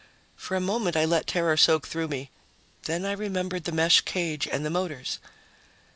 For a moment, I let terror soak through me. Then I remembered the mesh cage and the motors.